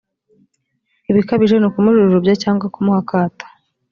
ibikabije ni u kumujujubya cyangwa kumuha akato